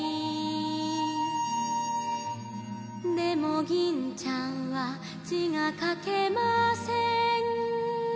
「でも銀ちゃんは字が書けません」